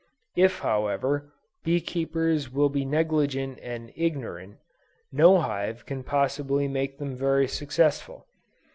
If however, bee keepers will be negligent and ignorant, no hive can possible make them very successful.